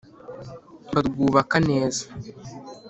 Barwubaka neza